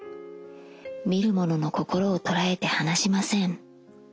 見る者の心を捉えて離しません。